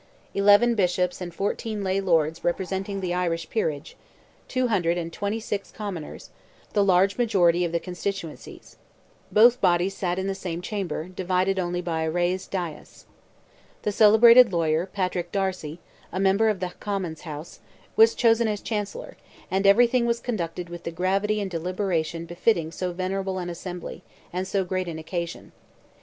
Eleven bishops and fourteen lay lords represented the Irish peerage; two hundred and twenty six commoners, the large majority of the constituencies. Both bodies sat in the same chamber, divided only by a raised dais. The celebrated lawyer, Patrick Darcy, a member of the Commons' House, was chosen as chancellor, and everything was conducted with the gravity and deliberation befitting so venerable an Assembly, and so great an occasion.